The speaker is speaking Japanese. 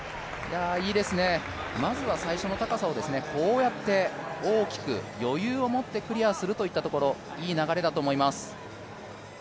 いいですね、まずは最初の高さをこうやって大きく余裕をもってクリアするということ、いい流れだと思います。